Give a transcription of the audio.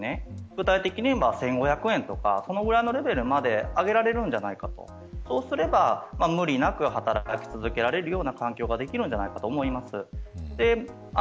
具体的に１５００円とかそのぐらいのレベルまで上げられるんじゃないかとそうすれば無理なく働き続けられるような環境ができると思います。